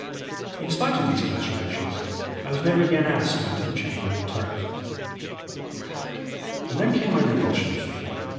In spite of these close relations I was never again asked to enter the chamber in the turret. And then came my revulsion of feeling.